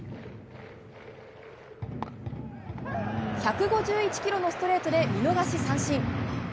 １５１キロのストレートで見逃し三振。